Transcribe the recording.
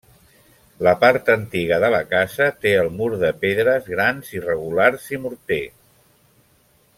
La part antiga de la casa té el mur de pedres grans irregulars i morter.